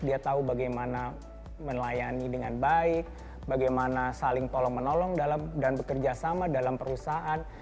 dia tahu bagaimana melayani dengan baik bagaimana saling tolong menolong dan bekerja sama dalam perusahaan